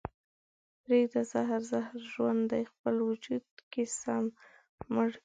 پرېږده زهر زهر ژوند دې خپل وجود کې سم مړ کړي